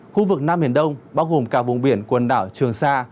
khu vực nam biển đông bao gồm cả vùng biển quần đảo trường sa